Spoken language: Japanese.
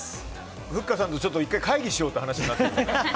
ふっかさんと１回会議しようという話になって。